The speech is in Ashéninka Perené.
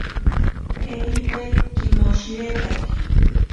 Jeripe kimoshiretake.